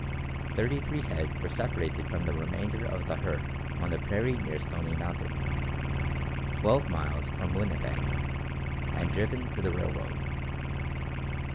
Thirty three head were separated from the remainder of the herd on the prairie near Stony Mountain, 12 miles from Winnipeg, and driven to the railroad.